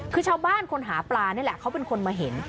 คือชาวบ้านคนหาปลานี่แหละเขาเป็นคนมาเห็น